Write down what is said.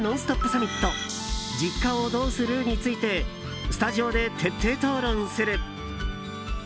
サミット実家をどうする？についてスタジオで徹底討論する。